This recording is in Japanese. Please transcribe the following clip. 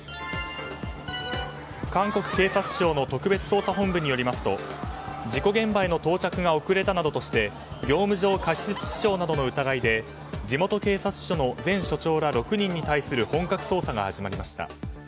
韓国警察庁の特別捜査本部によりますと事故現場への到着が遅れたなどとして業務上過失致死傷などの疑いで地元警察署の前署長ら６人に対する本格捜査が始まりました。